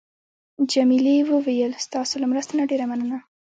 جميلې وويل: ستاسو له مرستې نه ډېره مننه.